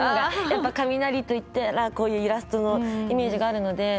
やっぱ雷といったらこういうイラストのイメージがあるので。